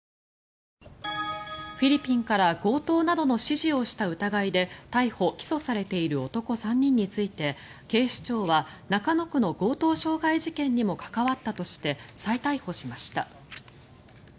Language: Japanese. フィリピンから強盗などの指示をした疑いで逮捕・起訴されている男３人について警視庁は中野区の強盗傷害事件にも関わったとして再逮捕しました。